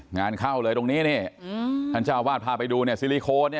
งานเข้าเลยตรงนี้ท่านเจ้าวาสภาไปดูนี่ซิลิโค้น